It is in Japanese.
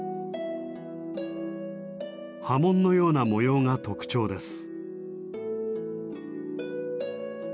波紋のような模様が特徴です。